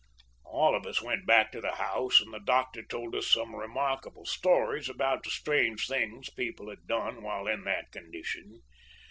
"All of us went back to the house, and the doctor told us some remarkable stories about the strange things people had done while in that condition.